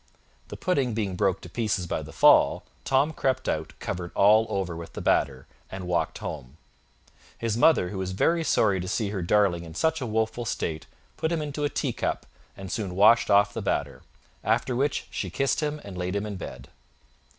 The pudding being broke to pieces by the fall, Tom crept out covered all over with the batter, and walked home. His mother, who was very sorry to see her darling in such a woeful state, put him into a teacup and soon washed off the batter; after which she kissed him and laid him in bed.